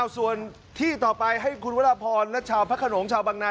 ส่วนที่ต่อไปให้คุณวัดละพอลและชาวพระขนมเช่าบังนา